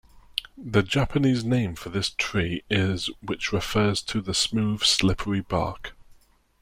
The Japanese name for this tree is which refers to the smooth, slippery bark.